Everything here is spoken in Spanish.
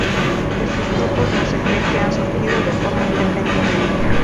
Estos grupos no se cree que han surgido de forma independiente.